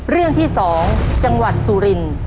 เรื่องที่๒จังหวัดสุรินทร์